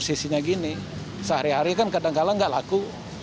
isinya gini sehari hari kan kadang kadang gak laku